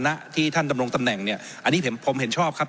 ผมจะขออนุญาตให้ท่านอาจารย์วิทยุซึ่งรู้เรื่องกฎหมายดีเป็นผู้ชี้แจงนะครับ